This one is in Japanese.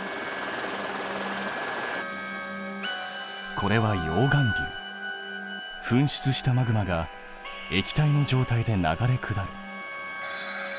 これは噴出したマグマが液体の状態で流れ下る。